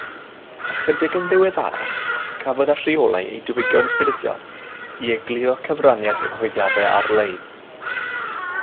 Ychydig yn ddiweddarach, cafodd y rheolau eu diwygio'n ffurfiol i egluro cyfraniad cyhoeddiadau ar-lein.